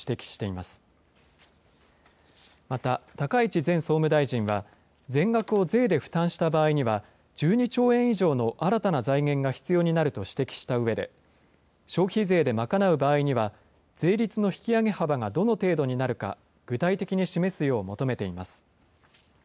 また、高市前総務大臣は、全額を税で負担した場合には、１２兆円以上の新たな財源が必要になると指摘したうえで、消費税で賄う場合には、税率の引き上げ幅がどの程度になるか、具体的に示すよう求めています。